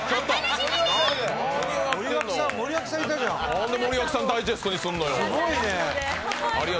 なんで森脇さんダイジェストにすんのよ。